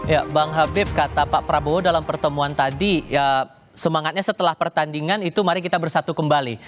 ya bang habib kata pak prabowo dalam pertemuan tadi ya semangatnya setelah pertandingan itu mari kita bersatu kembali